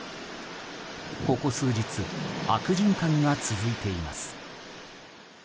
ここ数日悪循環が続いています。